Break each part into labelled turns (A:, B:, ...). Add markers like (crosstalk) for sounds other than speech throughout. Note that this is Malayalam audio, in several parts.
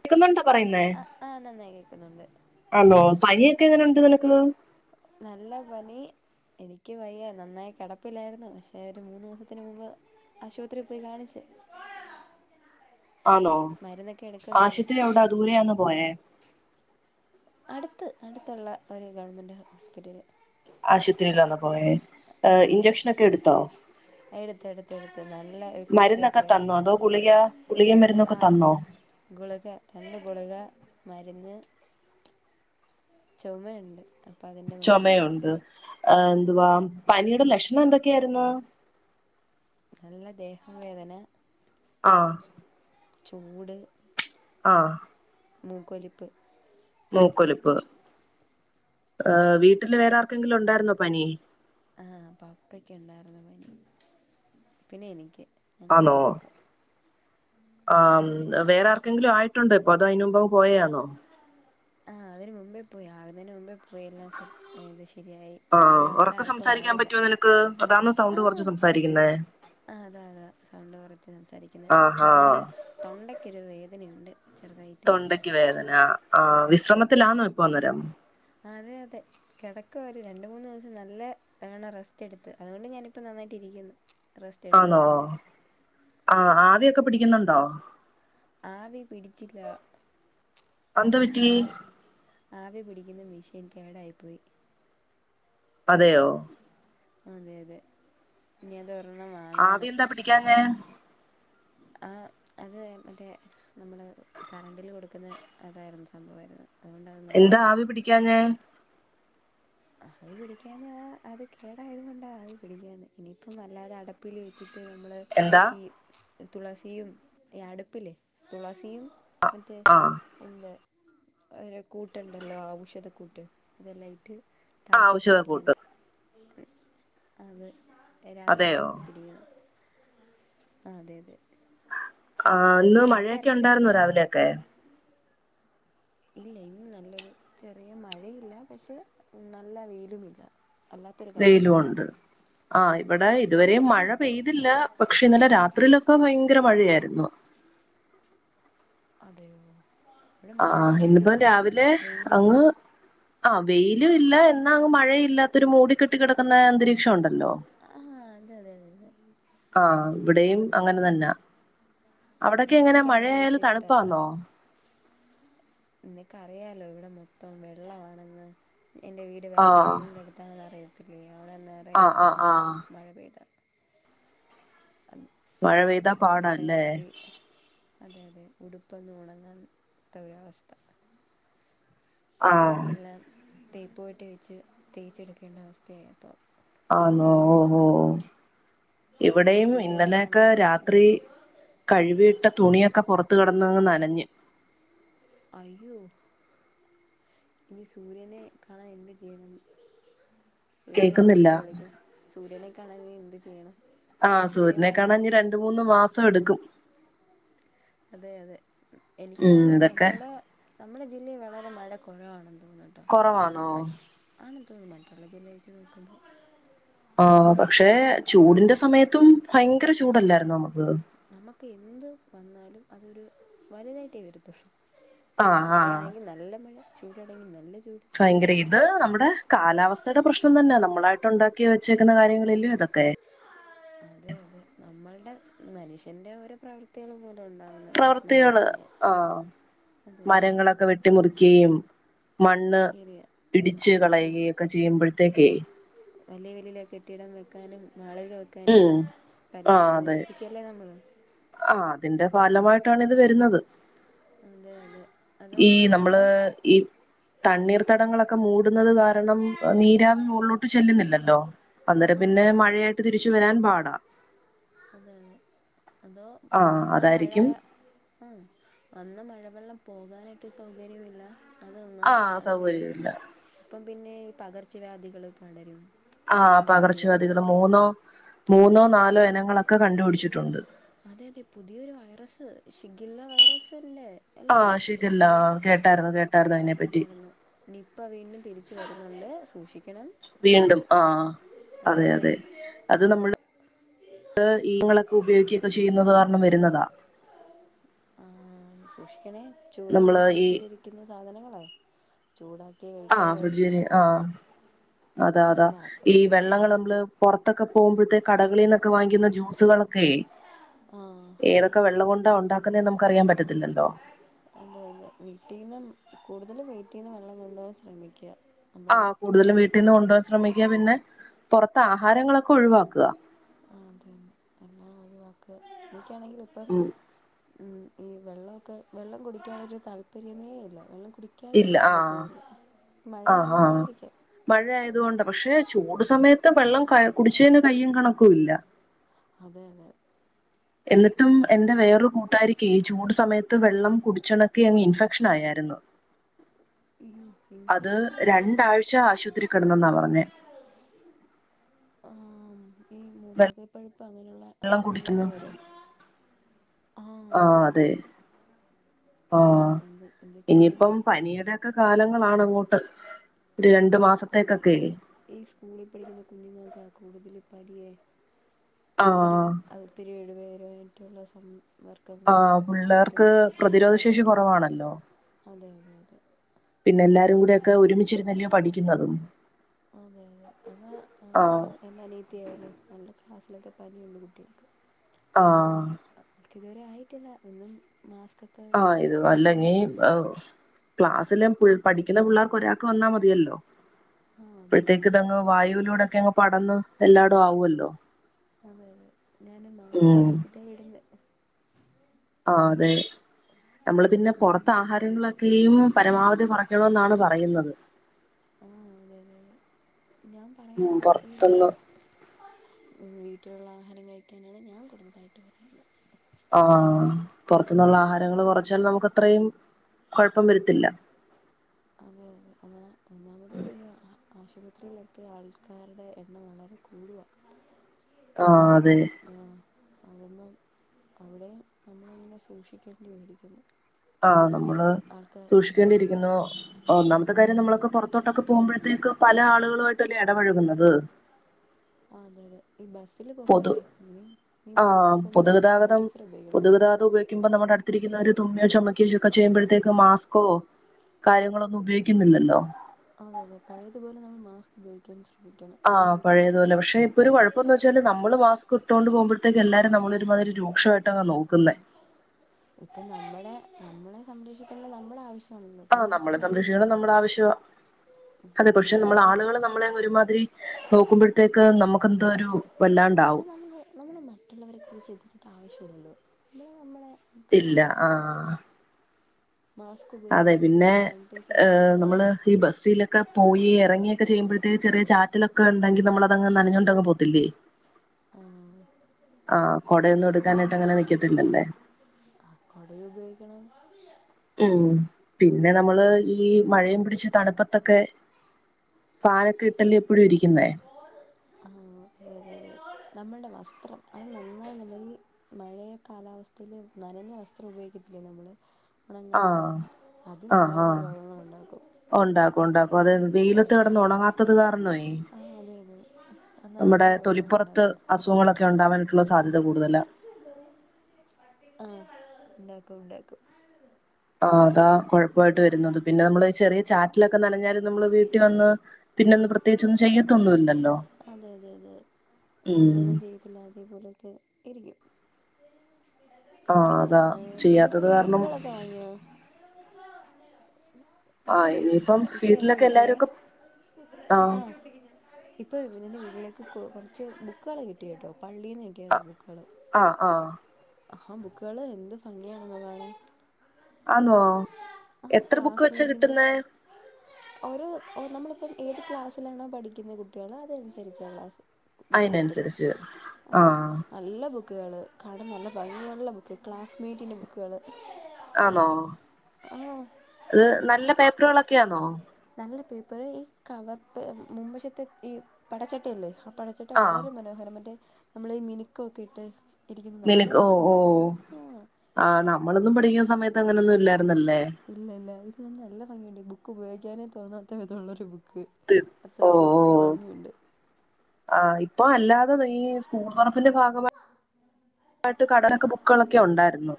A: കേൾക്കുന്നുണ്ടോ പറയുന്നേ.
B: അതെ
A: ആനോ പനിയൊക്കെ എങ്ങനെുണ്ട് നിനക്ക്.
B: നല്ല പനി. എനിക്ക് വയ്യ. നന്നായികിടപ്പില്ലായിരുന്നു. പക്ഷെ ഒരു മൂന്ന്ു ദിവസത്തിന് മുമ്പ് ആശുപത്രിയിൽ പോയി. കാണിച്ചു.
A: (inaudible) ആനോ
B: മരുന്നൊക്കെ എടുക്കുന്നുണ്ട്
A: ആശുത്രി എവിടാ? ദൂരെ ആണൊ പോയേ.
B: അടുത്ത് അടുത്തുള്ള ഒരു ഗവണ്മെന്റ് ഹോസ്പിറ്റല്.
A: ആശുപത്രിയിലെന്ന്പോയേ.
B: ആഹ്
A: ഇഞ്ചക്ഷനൊക്കെ എടുത്തോ.
B: എടുത്ത് എടുത്ത് എടുത്ത് നല്ല ഒരു
A: മരുന്നൊക്കെ തന്നോ
B: കുത്തിവെപ്പായിരുന്നു
A: അതോ? ഗുളിക ഗുളിക മരുന്നൊക്കെ
B: ആഹ്
A: തന്നോ.
B: ഗുളിക രണ്ട് ഗുളിക മരുന്ന് ചുമയുണ്ട്. അപ്പൊ അതിന്റെ മരുന്ന്.
A: ആ എന്തുവ പനിയുടെ ലക്ഷണം എന്തൊക്കെയായിരുന്നു.
B: നല്ല ദേഹം വേദന.
A: ആ
B: ചൂട്.
A: ആ
B: മൂക്കൊലിപ്പ്.
A: മൂക്കൊലിപ്പ് ആ വീട്ടില് വേറെ ആർക്കെങ്കിലും ഉണ്ടായിരുന്നോ പനി.
B: ആഹ പപ്പക്ക് ഉണ്ടായിരുന്നു പനി പിന്നെ എനിക്ക് ഞങ്ങക്ക്
A: ആണോ
B: രണ്ടാൾക്കും.
A: ആ വേറെ ആർക്കെങ്കിലും ആയിട്ടുണ്ട് ഇപ്പൊ അതോ അയിന് മുമ്പ് അങ്ങ് പോയന്നോ?
B: ആഹ് അതിന് മുമ്പേ പോയി ആവുന്നെന് മുമ്പേ പോയി (unintelligible)
A: ആ
B: അതുകൊണ്ട് വേറെ
A: ഒറക്കെ
B: ആർക്കും
A: സംസാരിക്കാൻ
B: ആയില്ല
A: പറ്റുവോ നിനക്ക്? അതാന്നോ
B: ആ
A: സൗണ്ട് കൊറച്ച് സംസാരിക്കുന്നേ.
B: ആ അതാണ് സൗണ്ട് കൊറച്ച് സംസാരിക്കിന്നെ.
A: ആഹാ
B: നല്ല തൊണ്ടക്ക് ഒരു വേദനയുണ്ട്. ചെറുതായിട്ട്
A: തൊണ്ടക്ക് വേദന ആ വിശ്രമത്തിലാന്നോ ഇപ്പം അന്നേരം?
B: അതെ അതെ കെടക്കാ ഒരു രണ്ട് മൂന്ന് ദിവസം നല്ല വേണം റെസ്റ്റ് എട്ത്ത്. അതുകൊണ്ട് ഞാനിപ്പ ന. ന്നായിട്ട് ഇരിക്കുന്നു. റെസ്റ്റ്
A: ആന്നോ
B: എടുത്തതുകൊണ്ട്
A: ആ ആവി ഒക്കെ പിടിക്കുന്നുണ്ടോ?
B: ആവി പിടിച്ചില്ല
A: അതെന്ത് പറ്റി
B: ആവി ആവി പിടി ക്ക്ന്ന മിഷീൻ കേടായി പോയി.
A: അതെയോ.
B: അതെ അതെ ഞാ
A: ആവി എന്താ പിടിക്കാഞ്ഞെ?
B: ആ അത് മറ്റേ നമ്മൾ കറണ്ടില് കൊട്ക്കുന്നെ അതായിരുന്നു സംഭവമായിരുന്നു അതുകൊണ്ടത്
A: എന്താ
B: നശിച്ചു പോയി
A: ആവി പിടിക്കാഞ്ഞേ?
B: ആവി പിടിക്കാന്നെ അത് കേടായത് കൊണ്ടാണ് അവി പിടിക്കാന്നെ ഇനിയിപ്പം വല്ലാതെ അടപ്പിൽ വെച്ച് റ്റ് നമ്മൾ
A: എന്താ
B: ഈ തുളസിയും ഈ അട്പ്പിൽ തുളസിയും മറ്റേ
A: ആ
B: എന്ത് ഒര് കൂട്ട് ഇണ്ടല്ലോ ഔഷധക്കൂട്ട് അതെല്ലാം ഇട്ട്
A: ആ
B: തളപ്പിച്ച്
A: ഔഷധക്കൂട്ട്
B: പിടിക്കണം അത് രാത്രി
A: അതെയോ
B: ആവുമ്പോത്തിന് പിടിക്കണം ആ അതെ അതെ
A: ആ ഇന്ന്
B: അവിടെ
A: മഴയൊക്കെ
B: ആർക്കേലും
A: ഉണ്ടായിരുന്നോ
B: പനിയുണ്ടോ
A: രാവിലെയൊക്കെ
B: ഇല്ല ഇന്ന് നല്ലൊരു ചെറിയ മഴയില്ല പക്ഷെ നല്ല വെയിലുംമില്ല അല്ലാത്തൊരു
A: വെയിലും
B: കാലാവസ്ഥ
A: ഉണ്ട് ആ ഇവടെ ഇതുവരെം
B: വെയിലില്ല
A: മഴ പെയ്തില്ല പക്ഷെ ഇന്നലെ രാത്രിയിലൊ ഒക്കെ ഭയങ്കര മഴയായിരുന്നു
B: അതെയോ ഇവിടെ
A: ആ
B: മഴയില്ല
A: ഇന്നിപ്പം
B: പക്ഷെ
A: രാവിലെ
B: വെയിലുമില്ല
A: അങ്ങ് ആ വെയിലും ഇല്ല എ എന്നാ അങ്ങ് മഴയില്ലാത്തൊരു മൂടി കെട്ടി കെടക്കുന്നെ അന്തരീക്ഷം ഉണ്ടല്ലോ
B: ആഹ് അതെ അതെ അതെ അതെ
A: ആ
B: ആ
A: ഇവിടെയും
B: ഒരു
A: അങ്ങനെ
B: അന്തരീക്ഷം
A: തന്നാ അവിടൊക്കെ എങ്ങനാ
B: എനിക്ക് ആ അന്തരീക്ഷം
A: മഴയാലും
B: ഇഷ്ടമല്ല
A: തണുപ്പാന്നോ
B: നിനക്കറിയാല്ലോ ഇവടെ മൊത്തം വെള്ളവാണെന്ന് എൻ്റെ വീട് വ
A: ആഹ്
B: വയലിൻ്റെ അടുത്താണെന്ന് അറിയോ (unintelligible) നെറയെ
A: ആഹ് ആഹ്
B: തണുപ്പാ
A: ആഹ്
B: മഴ പെയ്താ ആ
A: മഴ പെയ്താ പാടാല്ലെ
B: അതെ അതെ ഉടുപ്പൊന്നും ഒണങ്ങ് ത്ത വ്യവസ്ഥ
A: ആ
B: തേപ്പു പെട്ടി വെച്ച് തേച്ചെടുക്കേണ്ട അവസ്ഥയാ ഇപ്പം
A: ആണോ ഓ ഓ
B: ഇനി
A: ഇവിടെയും
B: സൂര്യനെ കാണാൻ
A: ഇന്നലെയൊക്കെ
B: എന്ത് ചെയ്യും
A: രാത്രി കഴവിയിട്ട തുണിയൊക്കെ പൊറ ത്ത് കെടന്നങ്ങ് നനഞ്ഞ്
B: അയ്യോ ഇനി സൂര്യനെ കാണാൻ എന്ത് ചെയ്യണം സൂര്യനെ ഇപ്പം
A: കേക്കുന്നില്ല
B: വിളിക്കണം സൂര്യനെ കാണാൻ ഇനി എന്ത് ചെയ്യണം
A: ആ
B: സൂര്യൻ
A: സൂര്യനെ
B: വന്ന്
A: കാണാഞ്ഞ് രണ്ട് മൂന്ന് മാസം എടുക്കും
B: അതെ അതെ എനിക്ക്
A: ഉം
B: തോന്നുന്നു
A: ഇതൊക്കെ
B: നമ്മടെ നമ്മുടെ ജില്ലയിൽ വളരെ മഴ കൊറവാണെന്ന്
A: കൊറവാന്നോ
B: ഉം മറ്റുള്ള ജില്ല വെച്ച് നോക്കുമ്പോ
A: ഓ പക്ഷെ ചൂടിന്റെ സമയത്തും ഭയങ്കര ചൂ
B: നമ്മക്ക് എന്ത് വന്നാലും അതൊരു വലുതായിട്ടേ വെരത്തൊ
A: ആഹ് ആഹ്
B: മഴയാണെങ്കിൽ നല്ല മഴ ചൂടാണെങ്കിൽ നല്ല ചു
A: ഭയങ്കര ഇത് നമ്മുടെ കാലാവസ്ഥയുടെ പ്രശ്നം തന്നെയാ നമ്മളായി ട്ട്ണ്ടാക്കി വെച്ചേക്കുന്ന കാര്യങ്ങളല്ലോ ഇതൊക്കെ
B: അതെ അതെ നമ്മളുടെ മനുഷ്യന്റെ ഓരോ പ്രവൃത്തികളു പോലെ
A: പ്രവൃത്തികള് ആഹ
B: അതെ അതെ അതെ
A: മരങ്ങളൊക്കെ വെട്ടിമുറിക്കുകയും മണ്ണ്
B: ശരിയാ
A: ഇടിച്ച് കളയുകയൊക്കെ ചെയ്യുമ്പോഴത്തേക്കെ
B: വലിയ വലയില കെട്ടിയിടം വെക്കാനും നളെ തോക്കാനും
A: ഉം ആ
B: പരിസ്ഥിതി
A: അതെ
B: നശിപ്പിക്കല്ലേ നമ്മള്
A: ആ അതിന്റെ ഫാലമായിട്ടാണ് ഇത് വരുന്നത്
B: അതെ അതെ അതോ
A: ഈ നമ്മള്
B: നമ്മളുടെ
A: ഈ തണ്ണീർത്തടങ്ങളൊക്കെ മൂടുന്നത് കാരണം നീരാവി മുകളിലോട്ട് ചെല്ലുന്നില്ലല്ലോ അന്നേരം പിന്നെ
B: അതെ അതെ
A: മഴയായിട്ട് തിരിച്ചു വരാൻ പാടാ
B: അതെതെ അതോ
A: ആ
B: വന്ന മഴ
A: അതായിരിക്കും
B: ആ വന്ന മഴ വെള്ളം പോകാനായിട്ട് സൗകര്യമില്ല
A: ആഹ സൗകര്യ ഇല്ല
B: പിന്നെഈ പകർച്ചവ്യാധികള് പടരും
A: ആഹ
B: വെള്ളം കെട്ടി
A: പകർച്ചവ്യാതികൾ
B: കിടന്നിട്ട്
A: മൂന്നോ മൂന്നോ നാലോ ഇനങ്ങളൊക്കെ കണ്ടുപിടിച്ചിട്ടുണ്ട്
B: അതെ അതെ പുതിയൊരു വൈറസ് ഷിഗുല്ല വൈറസ് അല്ലേ അല്ലേ
A: ആഹ ഷിഗല്ല
B: ഷിഗില്ല
A: കേട്ടായിരുന്നു കേട്ടായിരുന്നു അതിനെ പറ്റി
B: നണ്ട് സൂക്ഷി
A: വീണ്ടും ആ അതെ അതെ അത് നമ്മൾ
B: കൊ-
A: അത് ഈങ്ങളൊക്കെ ഉപയോഗിക്കെക്കെ ചെയ്യുന്നത് കാരണം വരുന്നതാ
B: ആ സൂഷിക്കണെ ഈ ഫ്രിഡ്ജിലിരിക്കുന്ന സാധനങ്ങളെ ചൂടാക്ക
A: ആഹ ഫ്രിഡ്ജ് ആഹ അത
B: അത്
A: അതാ
B: മറക്കല്ല
A: ഈ വെള്ളങ്ങൾ നമ്മള് പുറത്തൊക്കെ പോകുമ്പോഴത്തെേ കടകളിൽ നിന്നൊക്കെ വാങ്ങിക്കുന്ന ജ്യൂസുകളൊക്കെ
B: ആ
A: ഏതൊക്കെ വെള്ളം കൊണ്ടാ ഉണ്ട ക്കന്നെന്ന് നമുക്ക് അറിയാൻ പറ്റത്തില്ലല്ലോ
B: അതെ അതെ വീട്ടിൽ നിന്ന് കൂടുതൽ വീട്ടീന്ന് വെള്ളം കൊണ്ടുപോകൻ ശ്രമിക്കുക നമ്മൾ
A: ആഹ് കൂടുതലും
B: കൺ
A: വീട്ടിൽന്ന് കൊണ്ടുപോവാാൻ ശ്രമിക്കുക പിന്നെ പുറത്ത് ആഹാരങ്ങളൊക്കെ ഒഴിവാക്കുക
B: ഴിവാ എനിക്കാണെങ്കിൽ ഇപ്പം
A: ഉം
B: ഉം ഈ വെള്ളമൊക്കെ വെള്ളം കുടിക്കാൻ ഒരു താല്പര്യമേ ഇല്ല വെള്ള
A: ഇല്ല ആഹ
B: മഴ
A: ആഹ ആ
B: ആയതുകൊണ്ടായിരിക്കാം
A: മഴ ആയതുകൊണ്ട് പക്ഷെ ചൂട് സമയത്ത് വെള്ളം കുടിച്ചതിന് കയ്യും കണക്കുംല്ല
B: അതെ അതെ
A: എന്നിട്ടും എൻറെ വേറൊരു കൂട്ടാരിക്കേ ചൂട് സമയത്ത് വെള്ളം കുടിച്ചെണക്കി അങ് ഇൻഫെക്ഷൻ ആയരുന്നു ന്നു
B: അയ്യോ
A: അത്
B: ഇൻഫെക്ഷൻ ആയാലാണ്
A: രണ്ടാഴ്ച ആശുപത്രി കിടന്നെന്നാ പറഞ്ഞേ
B: ഈ മൂത്രത്തി പഴി പ്പ് അങ്ങനെയുള്ള
A: വെള്ളം കുടിക്കുന്നു
B: അസുഖങ്ങളൊക്കെ വരാ ആഹ യു
A: ആഹ ഇനിയിപ്പം പനിയുടെയൊക്കെ കാലങ്ങളണങ്ങോട്ട്
B: അതെ അതെ പനി ഈ സ്കൂളിൽ പഠിക്കുന്ന കുഞ്ഞുങ്ങൾക്കാ കൂടുതല്
A: ആ
B: (unintelligible) വർക്കം
A: ആ
B: കാരണം പനിയൊക്കെ
A: പിള്ളേർക്ക് പ്രതിരോധ
B: പെട്ടെന്ന
A: ശേഷി
B: പകരും
A: കുറവാണല്ലോ
B: അതെതെ
A: പിന്നെ എല്ലാരും കൂടെക്കെ ഒരുമിച്ചിരുന്നില്ലോ പഠിക്കുന്നതും
B: അതെ അതെ അതാ
A: ആ
B: ഇപ്പം എന്ന അനിയത്തിയ അവൾടെ ക്ലാസ്സിലൊക്കെ പനിയുണ്ട് കുട്ടികൾക്ക്
A: ആ
B: അവൾക്ക് ഇതുവരെ ആയിട്ടില്ല ഒന്നും
A: ആ ഇത് അല്ല നീ ക്ലാസ്സിലെ പഠിക്കുന്ന പിള്ളേർക്ക് ഒരാക്ക് വന്നാൽ മതിയല്ലോ
B: ആ അതെ
A: ഇപ്പോഴത്തേക്ക
B: അതെ
A: ഇതങ്ങ്
B: ഞാൻ
A: വായുവിലൂടെക്കാങ്ങ് പ പടന്ന് എല്ലാടും ആവല്ലോ
B: അതെ അതെ ഞാന് മാസ്ക് വെച്ചിട്ടാ വിടുന്ന
A: ആ അതെ നമ്മള് പിന്നെ പുൊറത്ത്
B: വീ-
A: ആഹാരങ്ങളൊക്കെയും പരമാവധി കുറക്കണ എന്നാണ് പറയുന്നത്
B: ആ അതെതെെ ഞാൻ
A: ഉം
B: പറയുന്നത്
A: പുറത്തുന്ന്
B: ഈ മറ്റുള്ള ആഹാരം കഴിക്കാനാണ് ഞാൻ കൂടുതലായിട്ട് പറയുന്നത്
A: ആഹ പുൊറത്തുന്നുള്ള ആഹാരങ്ങൾ വച്ചൽ നമുക്ക് അത്രയും കുഴപ്പം വരുത്തില്ല
B: അതെ അതെ അതാ ഒന്നാമത്
A: അ
B: ഈ ആ- ആശുപത്രിയിലൊക്കെ ആൾക്കാരുടെ എണ്ണം വളരെ കൂടുവാ
A: ആ അതെ
B: അകുമ്പ അവിടെയും നമ്മള ഇനെ സൂക്ഷിക്കേണ്ടി വരിക്കുന്നു
A: ആഹ നമ്മള് സൂക്ഷിക്കേണ്ടിയിരിക്കുന്നു ഒന്നാമത്തെ കാര്യം നമ്മളൊക്കെ പുറത്തോട്ടൊക്കെ പോകുമ്പോഴത്തേക്ക് പല ആളുകളുമായിട്ടല്ലേ ഇടപഴകുന്നത് (unintelligible)
B: ആ അതെ അതെ ഈ ബസ്സില്
A: പൊതു
B: പോകുമ്പോഴേ ന ന
A: ആഹ്
B: ബസ്സിൽ പോകുമ്പോൾ
A: പൊതുഗതാഗതം
B: സാനിറ്റൈസർ ഉപയോഗിക്കണേ
A: അടുത്തിരിക്കുന്നവർ തുമ്മയോ ചുമക്കയോ ഒ ക്കെ ചെയ്യുമ്പോഴത്തേക്ക് മാസ്കോ കാര്യങ്ങളോൊന്നും ഉപയോഗിക്കുന്നില്ലല്ലോ
B: അതെതെ പഴേതുപോലെ നമ് മാസ്ക് ഉപയോഗിക്ക
A: ആ പഴയത് പോലെ പക്ഷെ ഇപ്പൊ ഒരു കുഴപ്പംന്ന് വെച്ചാല് നമ്മള് മാസ്ക് ഇട്ടുകോണ്ട് പോകുമ്പോഴ് ഇത്തേ എല്ലാരും നമ്മളൊ ഒരുമാതിരി രൂക്ഷമായിട്ടെ നോക്കുന്നേ
B: ഇപ്പം നമ്മള നമ്മളെ സംരക്ഷിക്കുള്ള നമ്മുടെ ആവശ്യ
A: ആ നമ്മളെ സംരക്ഷിക്കണം നമ്മുടെ ആവശ്യമാണ് അതെ
B: ഉം,
A: പക്ഷെ നമ്മള
B: നമ്മൾ
A: ആളുകൾ നമ്മളെ ഒരുമാതിരി നോക്കുമ്പോഴത്തേക്ക് നമുക്ക് എന്തോ ഒരു
B: അത്
A: വല്ലാണ്ടാവും
B: നമ്മൾ നമ്മള് മറ്റുള്ളവരെക്കെ ചിന്തിക്കേണ്ട ആവശ്യല്ലല്ലോ നമ്മള് നമ്മളെ കാര്യം
A: ഇല്ല ആ
B: നോക്കുക മാസ്ക്
A: അതെ
B: ഉപയോഗിക്കണം
A: പിന്നെ
B: സാനിറ്റൈസർ
A: ഏ
B: ഉപയോഗിക്കണം
A: നമ്മള് ഈ ബസ്സിലൊക്കെ പോയി ഇറങ്ങിയൊക്കെ ചെയ്യുമ്പോഴ പ്രത്യ ചെറിയ ചാറ്റലൊക്കെ ഉണ്ടെങ്കിൽ നമ്മള അതങ്ങ് നനഞ്ഞോണ്ടങ് പോത്തില്ലേ
B: ആ,
A: ആ കൊടയൊന്നും എടുക്കാനായിട്ട് അങ്ങനെ നിക്കത്തില്ലല്ലേ
B: കുടയുപയോഗിക്കണം
A: ഉം പിന്നെ നമ്മള് ഈ മഴയും പിടിച്ച തണുപ്പത്തൊക്കെ ഫാനൊക്കെ ഇട്ടല്ലെ എപ്പോഴും ഇരിക്കുന്നേ
B: നമ്മുടെ വസ്ത്രം അ നന്നായി നല്ലൽ മഴയ കാലാവസ്ഥൽ നനഞ്ഞ വസ്ത്രം ഉപയോഗിക്കത്തി നമ്മള് ഉണങ്ങാത്തെ
A: ആഹ്
B: അത്
A: ആഹ്
B: വല്ലാതെ രോഗങ്ങൾ ഉണ്ടാക്കും
A: അപ്പ അത വെയിലത്ത് കിടന്ന് ഉണങ്ങാത്തത് കാരണേ
B: ആ അതെ അതെ അത് നല്ല
A: നമ്മുടെ തൊലിപ്പുറത്ത്
B: രോഗങ്ങളുണ്ടാക്കും
A: അസുഖങ്ങളൊക്കെ ഉണ്ടാവാനായിട്ടുള്ള സാധ്യത കൂടുതലാ
B: ആ ഉണ്ടാക്കും ഉണ്ടാക്കും
A: ആ അതാ കുഴപ്പായിട്ട് വരുന്നത് പിന്നെ നമ്മള് ചെറിയ ചാറ്റിലൊക്കെ നനഞ്ഞാല് നമ്മള് വീട്ടിൽ വന്ന് പിന്നെ ന്ന് പ്രത്യകിച്ചന്നും ചെയ്യത്തൊന്നു ഇല്ലല്ലോ
B: അതെ അതെ അതെ നമ്മളൊന്നും ചെയ്തില്ല അതേപോലെക്കെ ഇരിക്കും
A: ആഹ്
B: പിന്നെ
A: അതാ
B: ഏ പുതിയ
A: ചെയ്യാത്തത്
B: പുതിയ
A: കാരണം
B: ബുക്കുകളൊക്കെ വാങ്ങിയോ
A: ആ
B: ഇപ്പം
A: ഇനിയിപ്പം
B: ഇപ്പം ഇപ്പം എൻ്റെ
A: വീട്ടിലൊക്കെ
B: വീട്ടിലെ
A: എല്ലാര്ക്കും ആ
B: ന്റെ വീട്ടിലേക്ക് കുറച്ച് ബുക്കുകൾ കിട്ടിയ കേട്ടോ പള്ളിന്ന്ക്കിട്ടിയതാ ബുക്കുകള്
A: ആഹ് ആഹ്
B: ആ ബുക്കുകള് എന്ത് ഭംഗിയാണ് കാണാൻ
A: ആണോ
B: ആ ക്ലാസ്മേറ്റിന്റെ ഒര് നമ്മളിപ്പോ ഏത് ക്ലാസ്സിലാണോ പഠിക്കുന്ന കുട്ടികൾോഅതനുസരിച്ച ക്ലാസ് ബുക്ക് കിട്ടുന്നത്
A: അയ്നനുസരിച്ച് ആ ആ
B: നല്ല ബുക്കുകൾ കാണാൻ നല്ല ഭംഗിയുള്ള ബുക്ക് ക്ലാസ്മേറ്റിൻ്റെ ബുക്കുകൾ
A: ആന്നോ
B: ആ
A: അത് നല്ല പേപ്പറുകളൊക്കൊന്നോ
B: അരു പേപ്പർ ഈ കവർ മുമ്പശത്തെ ഈ പടച്ചട്ടല്ലേ പഠിച്ചിട്ട
A: ആഹ്
B: വളരെ മനോഹരം മറ്റേ നമ്മള ഈ മിനിക്ക ഒക്കെ ഇട്ട് ഇരിക്കുന്നത് നല്ല
A: നിനക്ക് ഓ ഓ
B: രസമുണ്ട്
A: ആ നമ്മളൊന്നും പഠിക്കുന്ന സമയത്ത് അങ്ങനെന്നും ഇല്ലാരുന്നു
B: ഇല്ല ഇല്ല ഇത് നല്ല ഭംഗിയുണ്ട് ബുക്ക് ഉപയോഗിക്കാനേ തോന്നാത്ത വിധള്ളൊരു ബുക്ക്
A: തി-
B: അത്രക്ക് ഭംഗിയുണ്ട്
A: ആ ഇപ്പൊ അല്ലാതെ ഈ സ്കൂൾ തുറപ്പിന്റെ ഭാഗമായി ആയിട്ട് (unintelligible) ബുക്കുകളൊക്കെ ഉണ്ടായിരുന്നു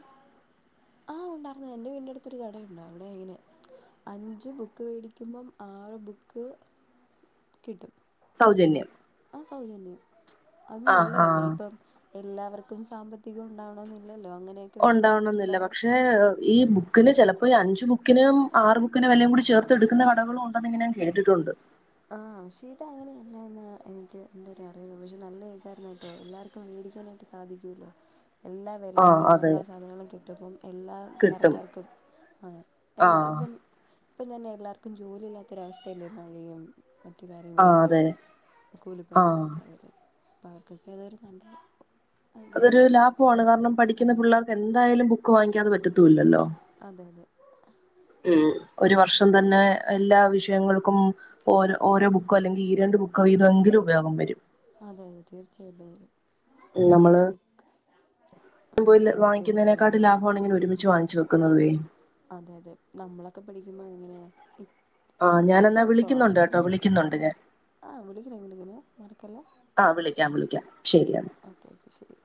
B: ആ ഉണ്ടായിർന്ന് എന്റെ വീടിന്റെടുത്തൊരു കട ഉണ്ട് അവിടെ ഇങ്ങനെ അഞ്ച് ബുക്ക് വേടിക്കുമ്പം ആറ് ബുക്ക് കിട്ടും
A: സൗജന്യം
B: ആ സൗജന്യം അത്
A: ആഹ്
B: നല്ലതല്ലേ
A: ആഹ്
B: ഇപ്പം എല്ലാവർക്കും സാമ്പത്തികം ഉണ്ടാവണോന്നി
A: ഉണ്ടാവണം എന്നില്ല പക്ഷെ
B: അതെ അതെ
A: ഈ ബുക്കിന് ചിലപ്പോ അപ്പ ഈ അഞ്ച് ബുക്കിന് ആറ് ബുക്കിന് വെലയും കൂടി ചേർത്ത് എടുക്കുന്ന കടകളും ഉണ്ട് ഇങ്ങന ഞാൻ കേട്ടിട്ടുണ്ട്
B: ആ ചീട്ട അങ്ങനെയല്ല എന്ന് എനിക്ക് എന്റെ ഒരു അറിവ പക്ഷെ നല്ല ഇതായിരുന്നു കേട്ടോ എല്ലാവർക്കും ക്കാനായിട്ട് സാധിക്കൊലോ എല്ലാ
A: ആഹ്
B: വെലയിലും
A: അതെ
B: എല്ലാ സാധനങ്ങളും കിട്ടുബം എല്ലാം
A: കിട്ടും
B: തരക്കാർക്കും ആഹ് അല്ല
A: ആഹ്
B: ഇപ്പം ഇപ്പം തന്നെ എല്ലാർക്കും ജോലി ഇല്ലാത്തൊരവസ്ഥയല്ലേ മഴയും മറ്റ് കാര്യം
A: ആഹ്
B: വെയ്ലും
A: അതെ ആഹ്
B: കൂലിപ്പണിക്കാർക്കായാലും അപ്പ അവർക്കൊക്കെ അതൊരു നല്ലെ
A: അതൊരു ലാഭമാണ്. കാരണം പഠിക്ക്ന്ന
B: അതെ അതെ
A: പിള്ളേർക്ക് എന്തായാലും ബുക്ക് വാങ്ങിക്കാതെ പറ്റത്തൂല്ലല്ലോ.
B: അതെ അതെ
A: ഒരു വർഷം തന്നെ എല്ലാ വിഷയങ്ങൾക്കും ഓരോ ഓരോ ബുക്കോ അല്ലെങ്കിൽ ഈ രണ്ട് ബുക്കോ വീത എങ്കിലും ഉപയോഗം വരും.
B: അതെ അതെ തീർച്ചയായിട്ടും വരും
A: നമ്മള്
B: ബുക്ക്
A: പോയി
B: ബുക്ക്
A: വാങ്ങിക്കുന്നതിനേക്കാട്ടും
B: പേന
A: ലാഭമാണിങ്ങനെ ഒരുമിച്ച് വാങ്ങിച്ചു വെക്കുന്നതേയ്
B: അതെ അതെ നമ്മളൊക്കെ പഠിക്കുമ്പോ എങ്ങനെയാ
A: ആഹ്
B: ഇ- ആ
A: ഞാനെന്നാ വിളിക്കുന്നൊണ്ട് കേട്ടോ വിളിക്കുന്നൊണ്ട് ഞാൻ
B: ആഹ് വിളിക്കണം വിളിക്കണം മറക്കല്ലേ.
A: ആഹ് വിളിക്കാം വിളിക്കാം ശെരിയെന്നാ
B: ഓക്കെ ഓക്കെ ശരി